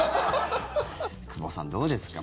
久保さん、どうですか？